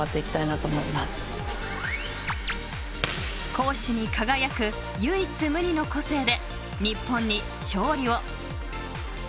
［攻守に輝く唯一無二の個性で日本に勝利を］